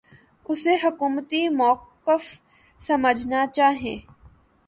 اسے حکومتی موقف سمجھنا چاہیے۔